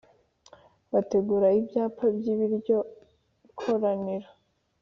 bategura ibyapa by iryo koraniro